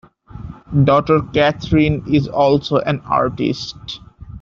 Daughter Catherine is also an artist.